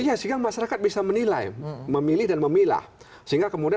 iya sehingga masyarakat bisa menilai